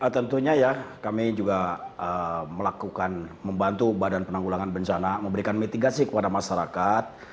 tentunya ya kami juga melakukan membantu badan penanggulangan bencana memberikan mitigasi kepada masyarakat